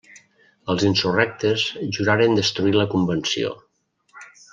Els insurrectes juraren destruir La Convenció.